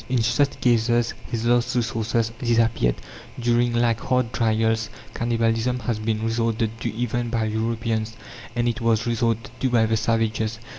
In such cases his last resources disappeared. During like hard trials, cannibalism has been resorted to even by Europeans, and it was resorted to by the savages.